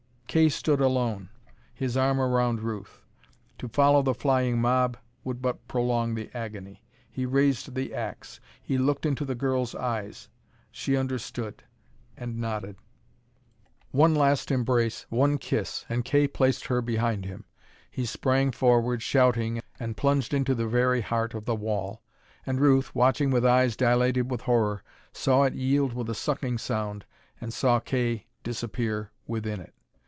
Kay stood alone, his arm around Ruth. To follow the flying mob would but prolong the agony. He raised the ax. He looked into the girl's eyes. She understood, and nodded. One last embrace, one kiss, and Kay placed her behind him. He sprang forward, shouting, and plunged into the very heart of the wall. And Ruth, watching with eyes dilated with horror, saw it yield with a sucking sound, and saw Kay disappear within it.